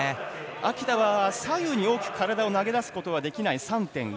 秋田は左右に大きく体を投げ出すことができない３．５。